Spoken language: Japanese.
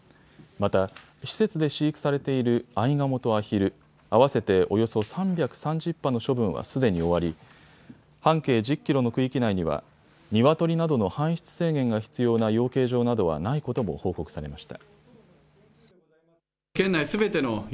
また施設で飼育されているアイガモとアヒル、合わせておよそ３３０羽の処分はすでに終わり、半径１０キロの区域内には鶏などの搬出制限が必要な養鶏場などはないことも報告されました。